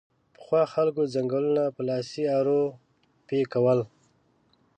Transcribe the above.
پخوا خلکو ځنګلونه په لاسي ارو پیکول